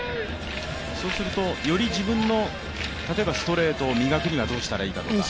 より自分の例えばストレートを磨くにはどうしたらいいかとか。